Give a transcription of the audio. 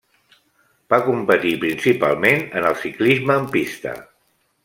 Va competir principalment en el ciclisme en pista.